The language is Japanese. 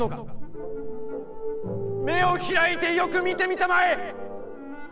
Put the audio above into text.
目を開いてよく見てみたまえ！